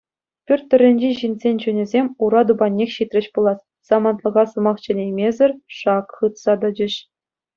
Пӳрт тӑрринчи ҫынсен чунӗсем ура тупаннех ҫитрӗҫ пулас, самантлӑха сӑмах чӗнеймесӗр шак хытса тӑчӗҫ.